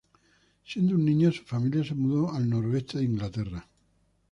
Siendo un niño, su familia se mudó al Noroeste de Inglaterra.